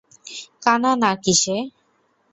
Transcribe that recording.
কানা না-কি সে?